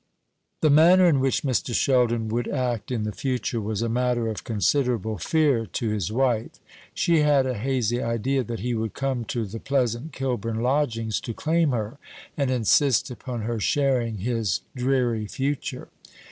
The manner in which Mr. Sheldon would act in the future was a matter of considerable fear to his wife. She had a hazy idea that he would come to the pleasant Kilburn lodgings to claim her, and insist upon her sharing his dreary future.